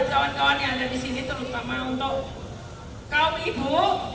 teman teman yang ada disini terutama untuk kaum ibu